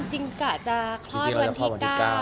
จริงกะจะคลอดวันที่๙ค่ะ